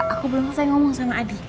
aku belum selesai ngomong sama adi